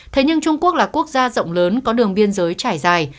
thế nhưng trung quốc là quốc gia rộng lớn có đường biên giới trải dài